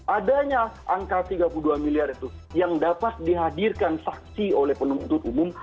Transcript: adanya angka tiga puluh dua miliar itu yang dapat dihadirkan saksi oleh penuntut umum